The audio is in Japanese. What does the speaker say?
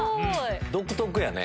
独特やね。